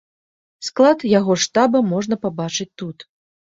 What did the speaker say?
Склад яго штаба можна пабачыць тут.